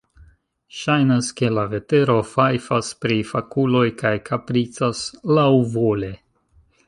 Ŝajnas, ke la vetero fajfas pri fakuloj kaj kapricas laŭvole.